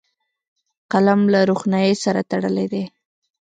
قلم له روښنايي سره تړلی دی